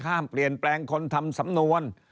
ห้ามเปลี่ยนแปลงคนทำสำนวน